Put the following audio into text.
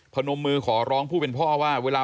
พนมมือขอร้องพูดเป็นพ่อว่า